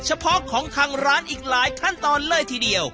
เฉพาะของทางร้านอีกหลายขั้นตอนเลยทีเดียว